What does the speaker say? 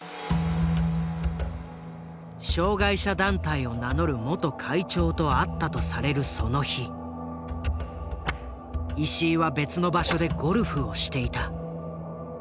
障害者団体を名乗る元会長と会ったとされるその日石井は別の場所でゴルフをしていた。